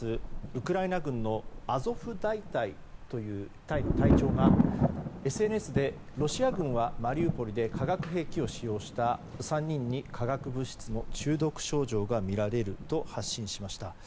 ウクライナ軍のアゾフ大隊という隊の隊長がＳＮＳでロシア軍はマリウポリで化学兵器を使用した３人に化学物質の中毒症状が見られると発信しました。